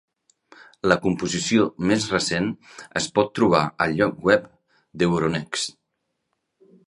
La composició més recent es pot trobar al lloc web d'euronext.